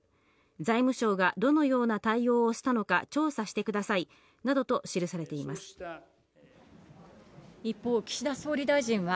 財務省がどのような対応をしたのか調査してくださいなどと記され一方、岸田総理大臣は、